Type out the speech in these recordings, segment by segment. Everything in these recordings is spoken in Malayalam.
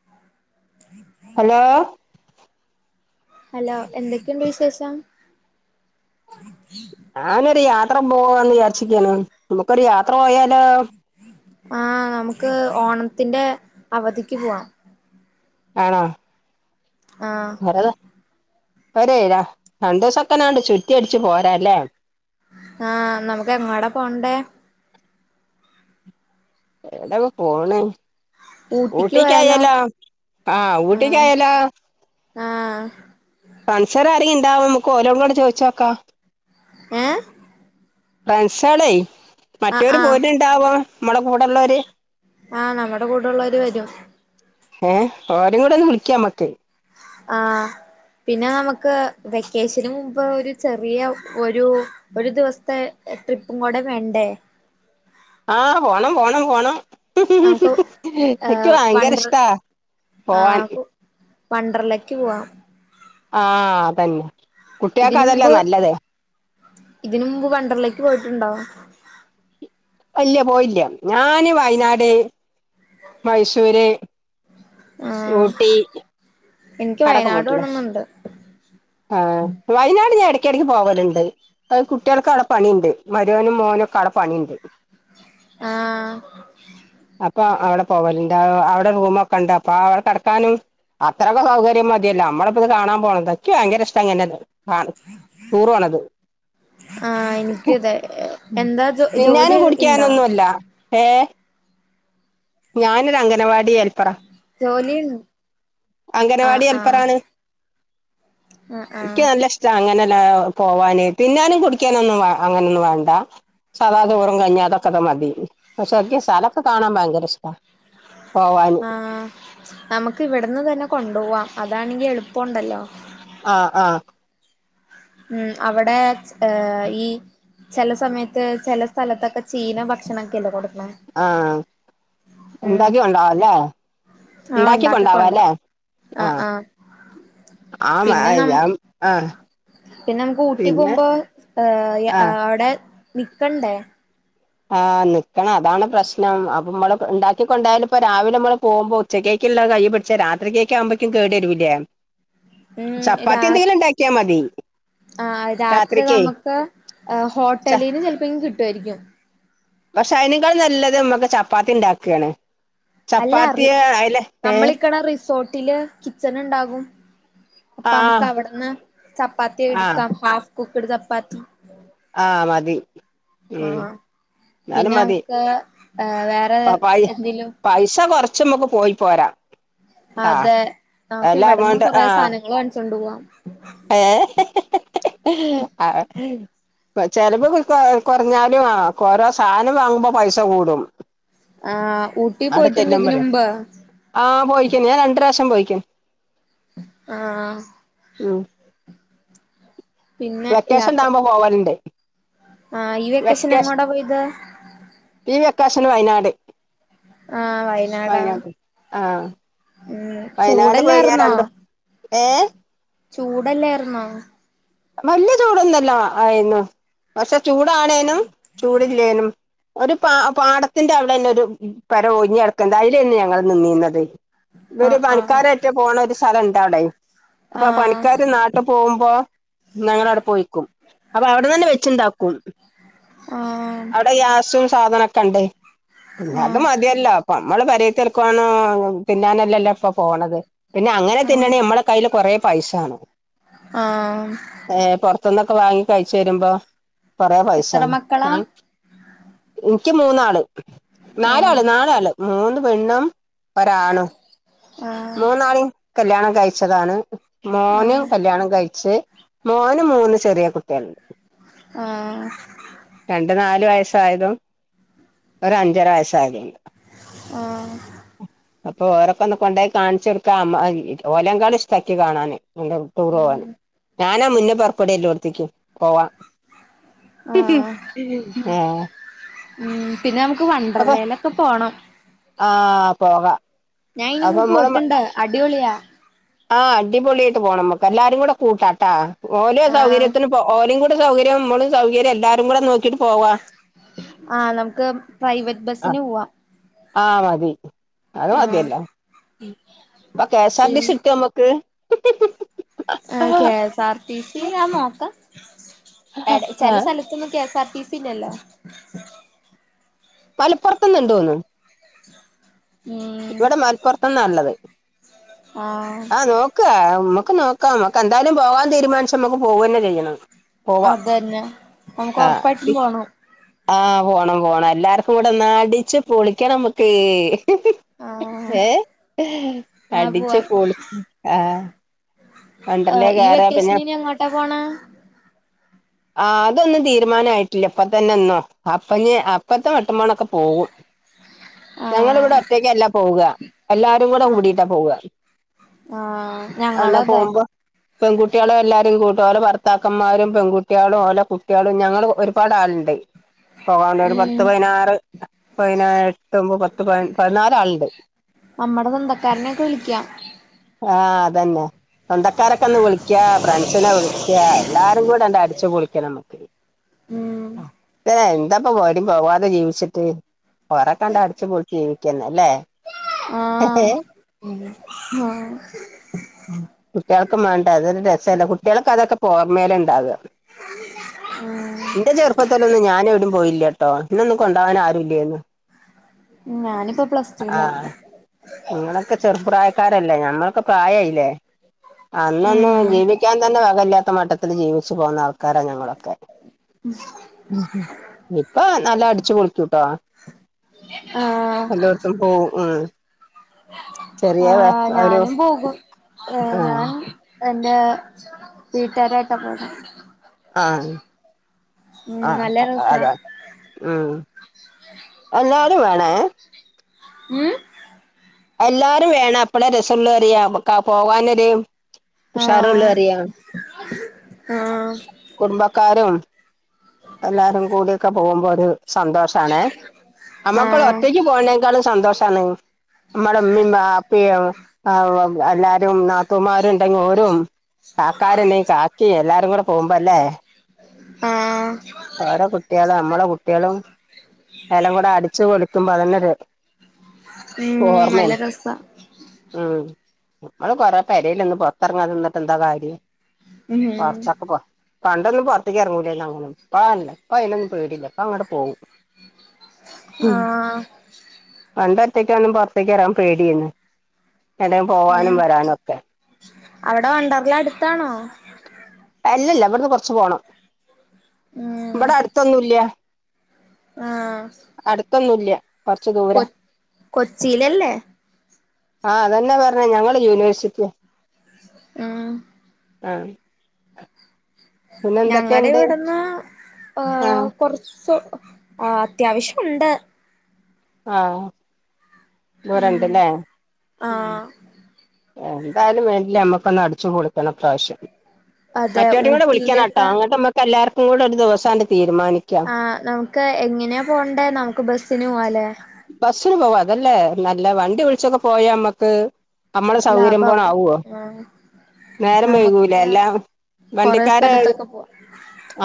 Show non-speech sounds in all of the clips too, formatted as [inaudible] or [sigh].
[inaudible] ഹലോ ഹലോ എന്തൊക്കെണ്ട് വിശേഷം? ഞാനൊരു യാത്ര പോവാന്ന് വിചാരിച്ച്ക്യാണ് നമുക്കൊരു യാത്ര പോയാലോ? ആഹ് അമ്ക്ക് ഓണത്തിന്റെ അവധിക്ക് പോവാം ആഹ് ആഹ് ഒരെ ര രണ്ടു ദിവസത്തിനാണ്ട് ചുറ്റയടിച്ച് പോരാല്ലോ ഹാ നമുക്കെങ്ങോട പോണ്ടേ? എവ്ടെങ് പോണേ ഊട്ടിക്ക് പോയാലോ ഊട്ടിക്കായാല്ലോ ആഹ് ഊട്ടിക്കായാല്ലോ? ആഹ് കൺസർ ആരും ഇണ്ടാവും നമുക്ക് ഒരേം കൂടെ ചോദിച്ച് നോക്കാം? ഏഹ്. ഫ്രണ്ട്സുകള് ആഹ് മറ്റവര് ആഹ് പോട്ടുണ്ടാവോ നമ്മടെ കൂടെള്ളവര്? ആഹ് നമ്മടെ കൂടെയുള്ളവര് വരും. ഏഹ് ഓരേ കൂടെ ഒന്ന് വിളിക്കാ ഞമ്മക്ക്. ആഹ് പിന്നെ നമുക്ക് വെക്കേഷന് മുമ്പ് ഒരു ചെറിയ ഒരു. ഒരു ദിവസത്തെ ട്രിപ്പും കൂടെ വേണ്ടേ? ആഹ് പോണം പോണം പോണം. നമുക്ക് എനിക്ക് ഏഹ് ഭയങ്കര വണ്ടർ ഇഷ്ടാ പോവാൻ. വണ്ടറിലേക്ക് പോവാ. ആഹ് അതന്നെ. കുട്ടികൾക്ക് ഇതിന് അതല്ലേ മുമ്പ് നല്ലത് ഇതിന് മുമ്പ് വണ്ടറിലേക്ക് പോയിട്ടുണ്ടോ? ഇല്ല പോയില്ല ഞാന് വയനാട്, മൈസൂര് ആഹ് ഊട്ടി. എനിക്ക് അവിടെ ഒക്കെ വയനാട് പോയിട്ടുള്ളു പോണംന്നുണ്ട് ആഹ് വയനാട് ഞാൻ ഇടക്കിടക്ക് പോവലുണ്ട്. അത് കുട്ടികൾക്ക് അവിടെ പണിയുണ്ട് മരിമോനും, മോനൊക്കെ അവിടെ പണിയുണ്ട്. ആഹ്. അപ്പൊ അവിടെ പോവലിണ്ട് അവിടെ റൂമൊക്കെ ഉണ്ട് അപ്പൊ അവടെ കിടക്കാനും അത്ര ഒക്കെ സൗകര്യം മതിയല്ലോ നമ്മളിപ്പം ഇത് കാണാൻ പോണതല്ലേ. എനിക്ക് ഭയങ്കര ഇഷ്ടാ ഇങ്ങനെ ടൂറ് പോണത്. ആഹ് എനിക്കും അതെ എന്താ ജോ ജോലി തിന്നാനും ഇണ്ടോ കുടിക്കാനൊന്നു അല്ല ഏഹ്. ഞാനൊരു അംഗനവാടി ഹെൽപ്പറാ ജോലി ആഹ് അംഗനവാടി ആഹ് ഹെൽപ്പറാണ്. ആഹ് ആഹ് എനിക്ക് നല്ല ഇഷ് ടാ അങ്ങനെല്ലാം പോവാന് തിന്നാനും കുടിക്കാനൊന്നും അങ്ങനൊന്നും വേണ്ട. സദാ ചോറും, കഞ്ഞി അതൊക്കെ മതി പക്ഷെ യ്ക്ക് സ്ഥലൊക്കെ കാണാൻ ഭയങ്കര ഇഷ്ടാ. പോവാന് ആഹ് നമുക്ക് ഇവിടുന്ന് തന്നെ കൊണ്ടു പോവാം അതാണെങ്കി എളുപ്പുണ്ടല്ലോ. ആഹ് ആഹ്. ഉം അവിടെ ഏ ഈ ചില സമയത്ത് ചില സ്ഥലത്തൊക്കെ ചീന ഭക്ഷണൊക്കെ അല്ലെ കൊടുക്കണേ. ആഹ്. ഉം ഉണ്ടാക്കിക്കൊണ്ടോവലെ ആഹ് ഉണ്ടാക്കിക്കൊണ്ടോ ഉണ്ടാക്കിക്കൊണ്ടോവലെ ആഹ്. പിന്നെ നമ്മ ആഹ് [unintelligible] ആഹ്. പിന്നെ നമ്മുക്ക് ഊട്ടി പിന്നെ പോകുമ്പോ ആഹ് അവിടെ നിക്കണ്ടേ? ആഹ് നിക്കണം അതാണ് പ്രശ്നം അപ്പൊ നമ്മള് ഇണ്ടാക്കിക്കൊണ്ടായാല് ഇപ്പോ രാവിലെ നമ്മള് പോവുമ്പോ ഉച്ചക്കോക്കുള്ളത് കൈ പിടിച്ചാ രാത്രി കേക്ക് ആകുമ്പഴേക്കും കേട് വരൂലെ. ഉം രാ ചപ്പാത്തി എന്തെങ്കിലും ഇണ്ടാക്കിയാ മതി. ആഹ് രാത്രി രാത്രിക്ക് നമ്മക്ക് ഹോട്ടലിന്ന് ചെലപ്പോങ്കില് കിട്ടുവായിരിക്കും. പക്ഷേ അയിനേക്കാളും നല്ലത് നമ്മക്ക് ചപ്പാത്തി ഇണ്ടാക്കാണ്. അല്ല റി ഏ നമ്മള് നിക്കണ റിസോർട്ടില്. കിച്ചണ് ഉണ്ടാകും അപ്പൊ നമ്മക്ക് ആഹ് അവിടന്ന് ചപ്പാത്തി ആഹ് ഇട്ക്കാം ഹാഫ്. കുക്ക്ട് ചപ്പാത്തി. ആഹ് മതി. ഉം ആഹ് എന്നാലും പിന്നെ മതി ഞമ്മക്ക് ഏഹ് വെറെ പൈ എന്തേലും. പൈസ കൊറച്ച് ഞമ്മക്ക് പോയി പോരാം. അതെ നമ്മക്ക് ഇവിടന്നും അമൗണ്ട് കൊറെ സാധനങ്ങള് വാങ്ങിച്ചോണ്ട് പോവാം. ഏഹ് ആഹ്. ചെലപ്പം കൊ കൊറഞ്ഞാലും ആഹ് ഓരോ സാധനം വാങ്ങുമ്പോ പൈസ കൂടും. ആഹ് ഊട്ടി അവിടെ പോയിട്ടുണ്ട് ഇതിന്ന് ചെല്ലുമ്പഴേ മുമ്പ്. ആഹ് പോയ്ക്ക്ണ് ഞാൻ രണ്ട് പ്രാവശ്യം പോയ്ക്ക്ണ്. ആഹ് ഉം പിന്നെ യാത്ര വെക്കേഷൻണ്ടാവുമ്പോ പോവല്ണ്ട് ആഹ് ഈ വെക്കേഷന് എങ്ങോട്ടാ പോയത് ഈ വെക്കോഷൻ ല് വയനാട് ആഹ് വയനാടാ വയനാട് ആഹ് ഉം വയനാട് പോയി ഞാൻ ചൂടല്ലായിരുന്നോ രണ്ട് ഏഹ് ചൂടല്ലായിറുന്നോ വല്ല്യ ചൂടൊന്നല്ല ആയിരുന്നു പക്ഷെ ചൂടാണേനും ചൂട്ല്ലേനും ഒരു പാ പാടത്തിന്റെ അവിടെ തന്നെ ഒരു പെര ഒഴിഞ്ഞ്ടക്ക്ണ്ട് അയിലേനി ഞങ്ങള് നിന്നീന്യോത് ഇവര് ആഹ് ആഹ് പണിക്കാരായിട്ട് പോണ ഒരു സ്ഥലണ്ടഔടെ അപ്പൊ ആ ആഹ് പണിക്കാര് നാട്ട് ഇപ്പ പോവുമ്പോ ഞങ്ങള് അവടെ പോയിക്കും അപ്പൊ അവിടന്നെ വെച്ച്ണ്ടാക്കും ആഹ് അവ്ടെ ഗ്യാസും സാധനക്കെണ്ട് പിന്നെ അത് ആഹ് മതില്ലോ നമ്മള് പെരോത്തേര്ക്കാണോ തിന്നാനലല്ലോ ഇപ്പൊ പോണത് പിന്നെ അങ്ങനെ തിന്നണോ ആഹ് നമ്മള് കയ്യില് കൊറെ പൈസാണം ആഹ് ഏഹ് പെറ്ത്ത്ന്നൊക്കെ വാങ്ങി കഴ്ച്ച് വരുമ്പോ കൊറെ എത്ര പൈസാണം മക്കളാ ആ ഇൻക്ക് മൂന്നാള് നാലാള് ആഹ് നാലാള് മൂന്ന് പെണ്ണും ഒരാണും ആഹ് മൂന്നാളിം കല്ല്യാണം കഴിച്ചതാണ് മോനും ആഹ് കല്യാണം കഴ്ച്ച് മോന് മൂന്ന് ചെറിയ കുട്ട്യോള്ണ്ട് ഏഹ് രണ്ട് നാല് വയസ്സായതും ഒരു അഞ്ചര വയസ്സായതുണ്ട് ആഹ് അപ്പൊ ഓരൊക്കെ ഒന്ന് കൊണ്ടോയി കാണിച്ച് കൊടുക്കാമ്മ ഓലങ്കാളും ഇഷ്ടാ ഇക്ക് കാണാന് റ്റൂറ് പോകാന് ഞാനാ മുന്നേ പെറപ്പട എല്ലോട്ത്ത്ക്കും പോവാൻ ആഹ് ആഹ് ഉം പിന്നെ നമക്ക് വണ്ട്രലേലൊക്കെ പോണം ആഹ് പോകാ ഞാൻ ഇയിന് മുമ്പ് പോയിട്ട്ണ്ട് അടിപൊളിയാ ആഹ് അടിപൊളിയായിട്ട് പോണം മക്ക് എല്ലാരുകൂടെ കൂട്ടാട്ടാ ഓലെ ആഹ് സൗകര്യത്തിലും ഓലിം കൂടി സൗകര്യം മ്മളും സൗകര്യം എല്ലാരുകൂടെ നോക്കിട്ട് പോവാ ആഹ് നമക്ക് പ്രൈവറ്റ് ആഹ് ബസിന് പോവാ ആഹ് മതി അത് മതിയല്ലോ ഇപ്പോ കെ സാർ ടി സി ആഹ് കിട്ടോമ്മക്ക് [unintelligible] എഹ് കെ, എസ്, ആർ, ടിസി, ആ നോക്കാം അടെ ചെല സ്ഥല ത്തൊന്നും കെ സാർ ടി സി ല്ലല്ലോ പലപ്പുറത്ത് ന്ന് ഇണ്ടോന്നു ഉം ഇവിടെ മലപ്പുറത്തന്നാ ഉള്ളത് ആഹ് ആ നോ ക്കാ മ്മുക്ക് നോക്കാം മ്മക്ക് എന്തായാലും പോകാൻ തീരുമാനിച്ച മ്മക്ക് പോവന്നെ ചെയ്യണം. പോവാ അതന്നെ നമക്ക് ഒറപ്പായിട്ടും ആഹ് പോണം. ആഹ് പോണം പോണം. എല്ലാർക്കും കൂടെ ഒന്ന് അടിച്ച് പൊളിക്കണ മ്മക്ക് ആഹ് ഏഹ് ആഹ് അടിച്ച് പളിച്ച് ആഹ് ഇഹ് വണ്ടർലേ ഈ കേറാ പിന്നെ വെക്കെഷന്‌ ഇനി എങ്ങോട്ടാ പോണ് ആ അതൊന്നും തീരുമാനയിട്ടില്ല ഇപ്പ തന്നെ ഒന്നും അപ്പ അപ്പത്തെ മട്ടമ്പോണൊക്കെ പോകും. [inaudible] ഞങ്ങളിവിടെ ആഹ് ഒറ്റക്കല്ല പോവ്വാ എല്ലാ രും കൂടെ ആഹ് കൂടിട്ടാ പോവ ആഹ് ഞങ്ങളും [unintelligible] അതെ പെൺകുട്ടികളും എല്ലാരും കൂട്ടും ഓലെ ഭർത്താക്കന്മാരും പെൺകുട്ടിളും ഓലെ കു കുട്ടിയാളും ഞങ്ങൾ ഒരുപാട് ആള്ണ്ട്. പോകാൻണ്ടൊ ഒരു പത്ത് ഉം പതിനാറ് പയിനാ എട്ട്മ്പ് പത്ത് പ പതിനാല് ആളുണ്ട്. അമ്മടെ സ്വന്തക്കാരനെക്കെ വിളിക്കാം. ആഹ് അതന്നെ സ്വന്തക്കാരൊക്കെ ഒന്ന് വിളിക്കാ ഫ്രണ്ട്സിനെ വിളിക്കാ എല്ലാരും കൂടെ ങ്ങട്ട് അടിച്ചു പൊളിക്കണം നമക്ക് ഉം എന്താപ്പ എവടെം പോവാതെ ജീവിച്ചിട്ട്. കൊറെ കണ്ട് അടിച്ചു പൊളിച്ച് ജീവിക്കന്ന അല്ലേ? ഏ ആഹ് ആഹ് കുട്ടികൾക്ക് മാണ്ടേ അതൊരു രസല്ലേ കുട്ടിൾക്ക് അതൊക്കെപോ ഓർമേല് ഉണ്ടാക ആഹ് എന്റെ ചെറുപ്പത്തിലെന്നും ഞാന് എവിടെ പോയില്ല ട്ടോ ഇഞ്ഞെന്നും കൊണ്ടാവാൻ ആരു ഇല്ലേന്ന് - ഞാനിപ്പ പ്ലസ്റ്റുലാ ആഹ് നിങ്ങളൊക്കെ ചെറുപ്രായക്കാരല്ലേ ഞമ്മൾക്കെ പ്രായയില്ലേ? അന്നൊന്നും ഉം ജീവിക്കാൻ തന്നെ വകയില്ലാത്ത മട്ടത്തില്ൽ ജീവിച്ചു പോകുന്ന ആൾക്കാരാ ഞങ്ങളൊക്കെ. ഉം ഇപ്പ നല്ല അടിച്ചു പൊളിച്ചുട്ടോ. ആഹ് എല്ലോടത്തും പോവും ഉം ചെറിയ വേ ആഹ് ഞാനും പോകും ഏ ഞാന് എൻ്റെ വീട്ടുകാരെ ഏട്ടമ്മാരെ ആഹ് ഉം ആഹ് നല്ല രസാ അതാ ഉം എല്ലാരും വേണേ ഉം എല്ലാരും വേണം അപ്പളെ രസള്ളു പറിയ പോകാനര് ആഹ് ഉഷാറള്ളറിയ ആഹ് കുടുംബക്കാരും എല്ലാരും കൂടിക്കെ പോകുമ്പോ ഒരു സന്തോഷാണ് നമ്മുക്ക് ആഹ് ഒറ്റയ്ക്ക് പോകണേക്കാളും സന്തോഷണ് മ്മട ഇമ്മേ വാപ്പിം എല്ലാരും നാത്തൂമാരുണ്ടെങ്കി ഓരും- കാക്കാരണ്ടങ്കി കാക്കി എല്ലാരും കൂടെ പോകുമ്പോ ല്ലേ? ആഹ് ഓരെ കുട്ടിളും നമ്മളെ കുട്ടിളും എലാം കൂടെ അടിച് പൊളിക്കുമ്പോ അതന്നെരു ഉം നല്ല ഓർമയാണ്. രസാ ഉം നമ്മള് കൊറെ പരെൽ ഒന്ന് പൊറത്തിറങ്ങാതി നിന്നിട്ട് എന്താ കാര്യം. ഉം കുറച്ചൊക്കെ പോ പണ്ടൊന്നും പുറത്തേക്ക് ഇറങ്ങൂലന്ന അങ്ങനും. പ്പതല്ല പ്പ അതിനൊന്നും പേടില്ല അപ്പൊ അങ്ങട്ട് പോകും ആഹ് പണ്ട് ഒറ്റക്കൊന്നും പുറത്തേക്ക് ഇറങ്ങൻ പേടിയന്ന് എവിടേും പോവാനും ഉം വരാനും ഒക്കെ അവിടെ വണ്ടർല അടുത്താണോ? അ അല്ലല്ല ഇവിടുന്ന് കുറച്ച് പോണം ഉം ഇവിടെ അടുത്തൊന്നുംല്ല ആഹ് അടുത്തൊന്നുംല്ല കൊറച്ച് ദൂര കൊ കൊച്ചിയിലല്ലേ ആഹ് അതന്നെ പറഞ്ഞേ ഞങ്ങള് യൂണിവേഴ്സിറ്റിയെ ഉം ആഹ് ഞങ്ങളടെ എന്തൊക്കെയുണ്ട് ഇവിടുന്ന് ആ ഹ കുറച്ച് അത്യാവശ്യം ഉണ്ട് ആഹ് ഉം ദൂരണ്ടല്ലേ ആഹ് എന്തായാലും വേണ്ട നമ്മുക്കൊന്ന് അടിച്ചച്ച് പൊളിക്കണം ഈപ്രാവശ്യം അതെ മറ്റവരും കൂടെ വിളിക്കാൻ കേട്ടോ ഊട്ടിയിലൊക്കെ അങ്ങോട്ട് നമ്മുക്ക് എല്ലാവർക്കും കൂടെ ഒരു ദിവസം തീരുമാനിക്കും ആഹ് നമുക്ക് എങ്ങനെയാ പോവണ്ടേ നമുക്ക് ബസ്സിന് പോവാല്ലേ ബസ്സിന് പോവാ അതല്ലേ നല്ല വണ്ടി വിളിച്ചൊക്കെ പോയാ നമ്മക്ക് നമ്മളെ സൗകര്യം പോണ ലാഭാവും ആവോ ആഹ് നേരം വൈകൂലേ നമുക്ക് എല്ലാം കൊറെ വണ്ടിക്കാര് സ്ഥലത്തൊക്കെ പോവാ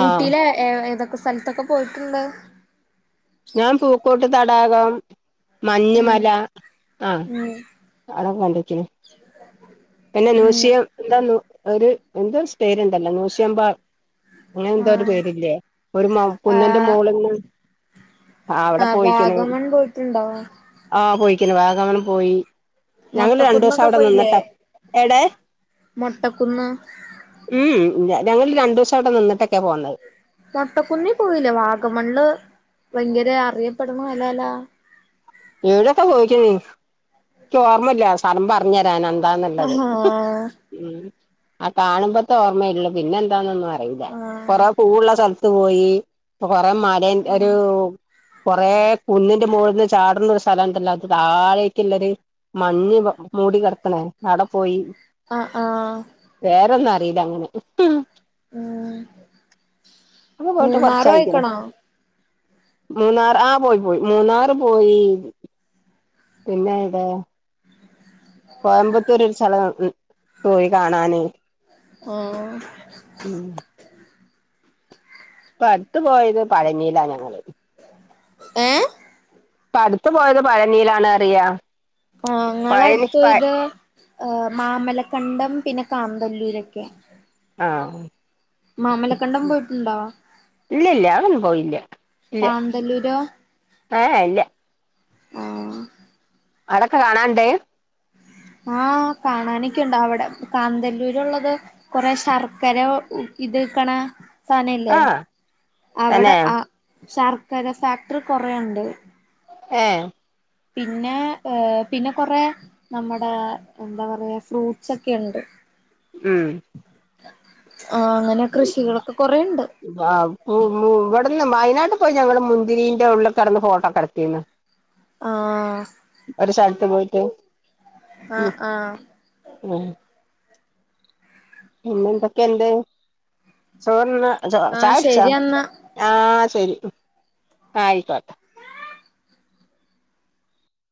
ആ ഊട്ടിലെ ഏ ഏതൊക്കെ സ്ഥലത്തൊക്കെ പോയിട്ടുണ്ട് ഞാൻ പൂക്കോട്ട് തടാകം ഉം മഞ്ഞുമല ആഹ് ഉം [unintelligible] പിന്നെ ഉം നൂശിയ എന്താ ഒരു എന്ത് സ്പേര്ണ്ടല്ലോ നോശിയുമമ്പോ അങ്ങനെ എന്താ ഒരു ആഹ് പേരില്ലേ ഒരു മ കുന്നിന്റെ മോളില്. ആഹ വാഗമൺ പോയിട്ടുണ്ടോ? ആഹ് പോയിക്കന് വാഗമനം പോയി ഞങ്ങള് രണ്ടു ദിവസം അവിടെ നിന്നിട്ടാ എടെ മട്ടക്കുന്ന്. ഉം ല ഞങ്ങള് രണ്ട് ദിവസം അവിടെ നിന്നിട്ടക്കെ പോന്നത്. മുട്ടക്കുന്നി പോയില്ലേ വാഗമണ്ള് ഭയങ്കര അറിയപ്പെടുന്ന സഥ ലല്ലാ എവിടൊക്ക പോയിക്ക്ണ് എനിക്ക് ഓർമ്മല്ല സ്ഥലം പറഞ്ഞഞ് തരാൻ അതാ നല്ലത് ആഹ് ഉ ആ കാണുമ്പത്തെ ഓർമ്മയിള്ളൂ പിന്നെ എന്താന്നൊന്നും അറിയില്ല കൊറ ആഹ് പൂവ്ള്ള സ്ഥലത്ത് പോയി. കൊറെ മര ഒരു കൊറ കുന്നിന്റെ മോളന്ന്ക് ചാടുന്നൊരു സ്ഥലംല്ല അത് താഴേക്ക് ളര് മഞ്ഞ് മൂടി കിടക്ണേ അവിടെ പോയി ആ ആഹ് പോര്ന്നും അറിയില്ല അങ്ങനെ ഉം അപ്പൊ പോയിട്ട് മൂന്നാറ് കൊറച്ചായിക്ക്ണ് പോയിക്കണോ? മോന്നാർ ആ പോയി പോയി മൂന്നാർ പോയി പിന്നെ എവിടൊ കോയമ്പത്തൂർ ഒരു സ്ഥല പോയി കാണാന് ആഹ് ഉം ഇപ്പ അടുത്ത പോയത് പഴനിയിലാ ഞങ്ങള് ഏ ടുത്തത്ത് പോയത് പഴനീലാണ് അറിയ ആ ങ്ങളടുത്തു ഇത് മാമലക്കണ്ടം പിന്നെ കാന്തല്ലൂര് രൊക്കെ ആഹ് മാമലക്കണ്ണ്ടം പോയിട്ടുണ്ടോ ഇല്ലല്ല അങ്ങനെ പോയില്ല ഇല്ല കാന്തല്ലൂരോ ആഹ് ഇല്ല ആഹ് അവിടൊക്കെ കാണാണ്ട്. ആഹ് കാണാനൊക്കെയുണ്ട് അവിടെ കാന്തല്ലൂരുള്ളത്. കൊറെേ ശർക്കര ഇത്ക്കണ സനല്ലേ ആ അവിടെ തന്നെ ആ ശർക്കര ഫാക്ടറി കുറെേുണ്ട് ആഹ് പിന്നെ ഏ പിന്നെ കൊറെ നമ്മുടെ എന്താ പറയാ ഫ്രൂട്ട്സ് ഒക്കെ ഉണ്ട്. ഉം ആ അങ്ങനെ കൃഷികളൊക്കെ കൊറെുണ്ട്. ഇവിടുന്ന് വയനാട്ട് പോയി ഞങ്ങള് മുന്തിരിൻ ഉള്ളിക്കെ ഇടന്ന് ഫോട്ടോക്കെ എടത്തിന്ന്. ആഹ് ഒരു സ്ഥലത്ത് പോയിററ് ആഹ് ആഹ് ഓ പിന്നെന്തൊക്കെ എന്ത് ചോറിന്ന് ആഹ് ചായ കുടിചോ ശരി എന്നാ ആഹ് ശരി ആയിക്കോട്ടെ